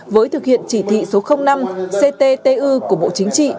với thực hiện chỉ thị số năm cttu của bộ chính trị